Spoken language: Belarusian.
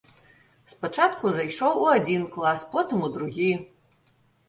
Спачатку зайшоў у адзін клас, потым у другі.